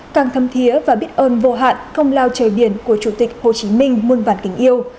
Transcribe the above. càng thâm thiế và biết ơn vô hạn công lao trời biển của chủ tịch hồ chí minh muôn vàn kính yêu